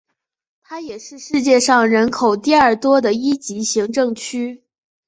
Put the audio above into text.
它也是世界上人口第二多的一级行政区。